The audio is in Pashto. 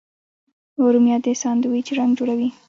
رومیان د ساندویچ رنګ جوړوي